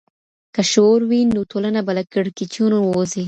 که شعور وي، نو ټولنه به له کړکېچونو ووځي.